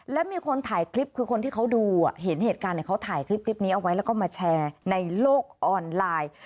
แล้วมีคนถ่ายคลิปคือคนที่เขาดูเห็นเหตุการณ์เขาถ่ายคลิปนี้เอาไว้แล้วก็มาแชร์ในโลกออนไลน์